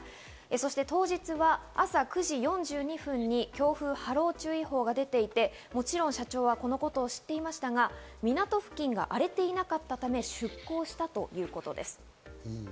そして当日は朝９時４２分に強風波浪注意報が出ていて、もちろん社長はこのことを知っていましたが、港付近が荒れていなかったため出港したということです。